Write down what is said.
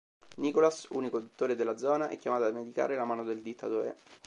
Nicholas, unico dottore nella zona, è chiamato a medicare la mano del dittatore.